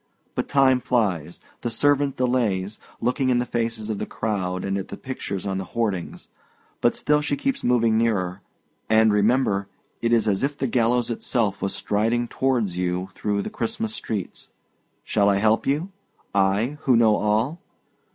But time flies; the servant delays, looking in the faces of the crowd and at the pictures on the hoardings, but still she keeps moving nearer; and remember, it is as if the gallows itself was striding towards you through the Christmas streets! Shall I help you I, who know all?